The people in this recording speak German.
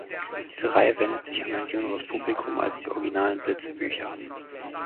Diese Reihe wendet sich an ein jüngeres Publikum als die originalen Blitz-Bücher.